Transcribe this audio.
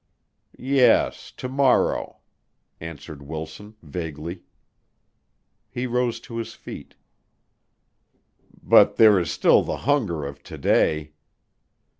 "Yes, to morrow," answered Wilson, vaguely. He rose to his feet. "But there is still the hunger of to day."